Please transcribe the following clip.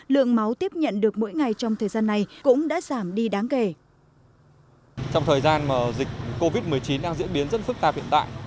lượng máu tiếp nhận được mỗi ngày trong thời gian này cũng đã giảm đi đáng kể